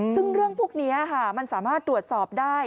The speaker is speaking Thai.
ซึ่งเรื่องพวกนี้มันสามารถตรวจสอบได้